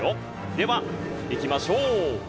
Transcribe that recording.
ではいきましょう。